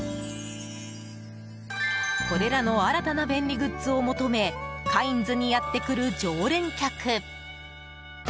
これらの新たな便利グッズを求めカインズにやってくる常連客。